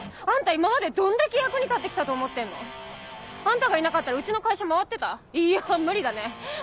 あんた今までどんだけ役に立って来たと思ってんの！あんたがいなかったらうちの会社回ってた？